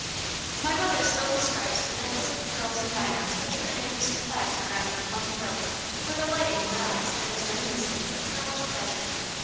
My mother still describes the necklace of pearls and diamonds which her aunt used to clasp around her plump throat, with a light in her eyes that is reminiscent of girlish pleasure.